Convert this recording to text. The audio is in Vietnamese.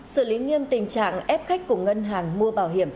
xử lý nghiêm tình trạng ép khách của ngân hàng mua bảo hiểm